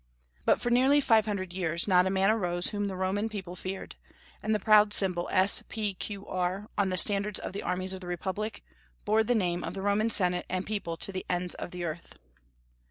But for nearly five hundred years not a man arose whom the Roman people feared, and the proud symbol "SPQR," on the standards of the armies of the republic, bore the name of the Roman Senate and People to the ends of the earth.